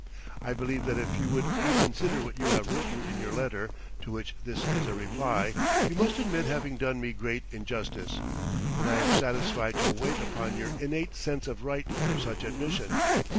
I believe that if you would reconsider what you have written in your letter, to which this is a reply, you must admit having done me great injustice, and I am satisfied to await upon your innate sense of right for such admission.